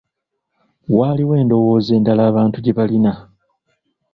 Waaliwo endowooza endala abantu gye baalina.